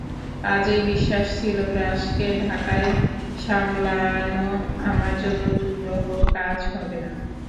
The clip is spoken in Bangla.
কাজেই বিশ্বাস ছিল, গ্রাসকে ঢাকায় সামলানো আমার জন্য দুরূহ কাজ হবে না।